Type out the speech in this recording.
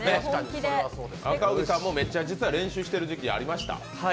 赤荻さんも、実はめっちゃ練習している時期ありました。